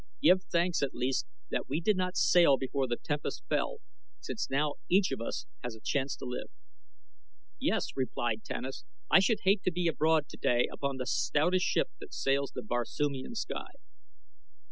Give thanks at least that we did not sail before the tempest fell, since now each of us has a chance to live." "Yes," replied Tanus, "I should hate to be abroad today upon the stoutest ship that sails the Barsoomian sky."